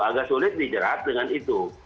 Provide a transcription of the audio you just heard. agak sulit dijerat dengan itu